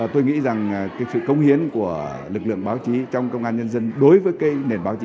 tôi nghĩ rằng cái sự công hiến của lực lượng báo chí trong công an nhân dân đối với cái nền báo chí